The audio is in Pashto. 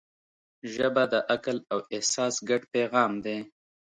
ژبه د عقل او احساس ګډ پیغام دی